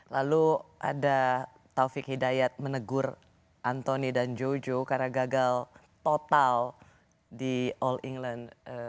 lalu ada taufik hidayat menegur anthony dan jojo karena gagal total di all england dua ribu sembilan belas